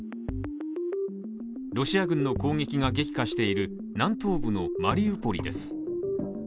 ロシア軍の攻撃が激化している南東部のマリウポリです。